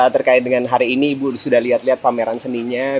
terkait dengan hari ini ibu sudah lihat lihat pameran seninya